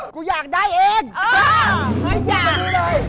กูอยากได้เอง